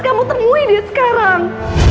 kamu temui dia sekarang